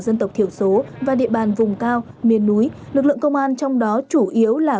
dân tộc thiểu số và địa bàn vùng cao miền núi lực lượng công an trong đó chủ yếu là